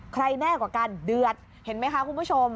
แน่กว่ากันเดือดเห็นไหมคะคุณผู้ชม